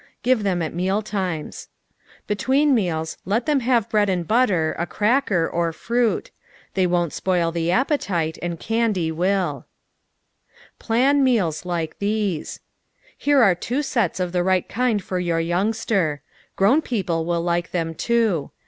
Give them at meal times. Between meals let them have bread and butter, a cracker, fruii. They won't spoil the appetite, and candy will. 17474┬╗_17 irow Big and Strong Plan Meals Like These Here are two sets of the right kind for your youngster. Grown people will like them, too.